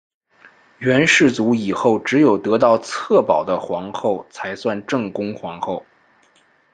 元世祖以后只有得到策宝的皇后才算正宫皇后。